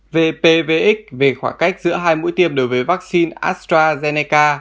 vpvx về khoảng cách giữa hai mũi tiêm đối với vaccine astrazeneca